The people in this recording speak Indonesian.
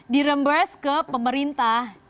di rembursed ke pemerintah